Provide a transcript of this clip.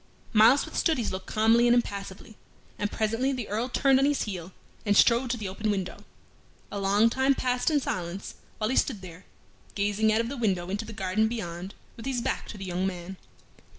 Myles withstood his look calmly and impassively, and presently the Earl turned on his heel, and strode to the open window. A long time passed in silence while he stood there, gazing out of the window into the garden beyond with his back to the young man.